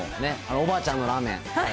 おばあちゃんのラーメン。